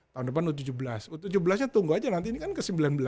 tahun depan u tujuh belas u tujuh belas nya tunggu aja nanti ini kan ke sembilan belas